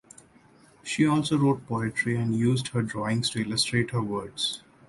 She also wrote poetry and used her drawings to illustrate her words.